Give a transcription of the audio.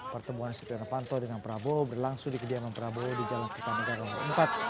pertemuan setia novanto dengan prabowo berlangsung di kediaman prabowo di jalan kertanegara nomor empat